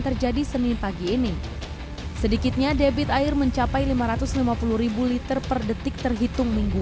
terjadi senin pagi ini sedikitnya debit air mencapai lima ratus lima puluh liter per detik terhitung minggu